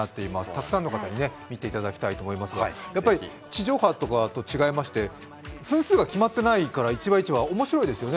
たくさんの方に見ていただきたいと思いますが地上波と違いまして分数が決まってないから一話一話、面白いですよね。